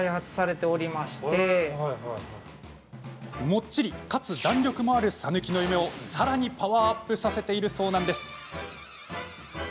もっちり、かつ弾力もあるさぬきの夢をさらにパワーアップさせているそうなんです。